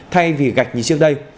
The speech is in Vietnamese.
thay vì gạch như trước đây